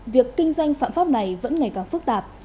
việc kinh doanh phạm pháp này vẫn ngày càng phức tạp